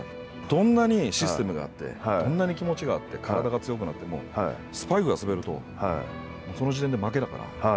どんなにシステムがあってどんなに気持ちがあって体が強くなってもスパイクが滑るともうその時点で負けだから。